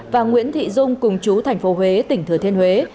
và nguyễn thị dung cùng chú thành phố huế tỉnh thừa thiên huế